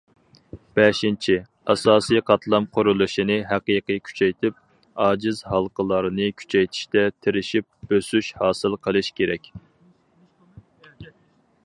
بەشىنچى، ئاساسىي قاتلام قۇرۇلۇشىنى ھەقىقىي كۈچەيتىپ، ئاجىز ھالقىلارنى كۈچەيتىشتە تىرىشىپ بۆسۈش ھاسىل قىلىش كېرەك.